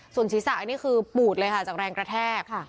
ส่วนศีรษะอันนี้คือปูดเลยค่ะจากแรงกระแทก